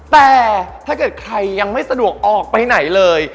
แต่ถ้าเกิดใครยังไม่สะดวกออกไปไหนเลย